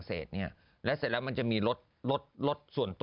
เธอเชื่อมั้ยว่า